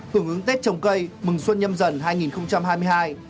hưởng ứng tết trồng cây mừng xuân nhâm dần hai nghìn hai mươi hai